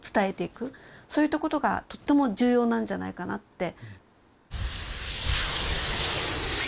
そういったことがとっても重要なんじゃないかなって。